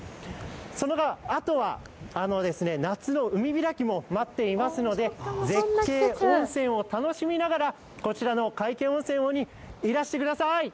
そのあとは夏の海開きも待っていますので絶景温泉を楽しみながらこちらの皆生温泉にいらしてください！